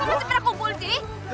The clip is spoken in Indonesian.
kok masih pernah kumpul di sini